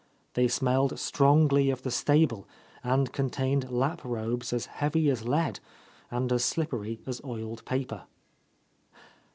They smelled strongly of the stable and contained lap robes as heavy as lead and as slippery as oiled paper.